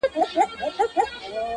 زما دقام خلګ چي جوړ سي رقيبان ساتي,